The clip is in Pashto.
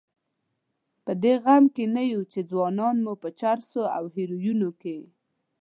په دې غم کې نه یو چې ځوانان مو په چرسو او هیرویینو کې.